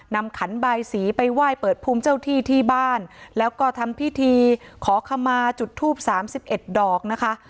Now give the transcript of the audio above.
ขันบายสีไปไหว้เปิดภูมิเจ้าที่ที่บ้านแล้วก็ทำพิธีขอขมาจุดทูปสามสิบเอ็ดดอกนะคะ